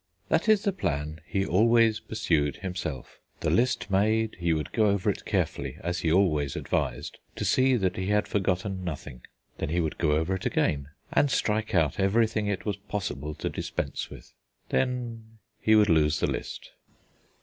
That is the plan he always pursued himself. The list made, he would go over it carefully, as he always advised, to see that he had forgotten nothing. Then he would go over it again, and strike out everything it was possible to dispense with. Then he would lose the list.